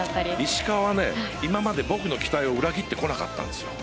石川は今まで僕の期待を裏切ってこなかったんですよ。